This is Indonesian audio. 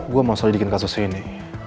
gue mau selidikan kasus ini